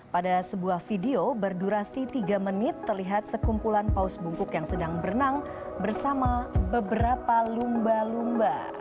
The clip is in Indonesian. pada sebuah video berdurasi tiga menit terlihat sekumpulan paus bungkuk yang sedang berenang bersama beberapa lumba lumba